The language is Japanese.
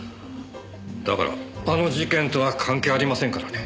だからあの事件とは関係ありませんからね。